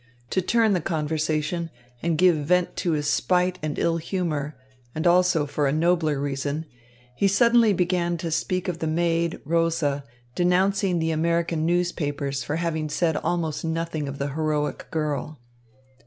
To turn the conversation and give vent to his spite and ill humour, and also for a nobler reason, he suddenly began to speak of the maid, Rosa, denouncing the American newspapers for having said almost nothing of the heroic girl.